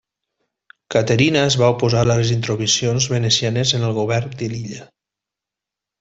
Caterina es va oposar a les intromissions venecianes en el govern de l'illa.